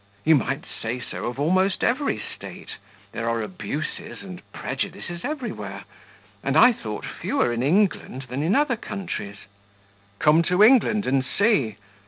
"You might say so of almost every state; there are abuses and prejudices everywhere, and I thought fewer in England than in other countries." "Come to England and see.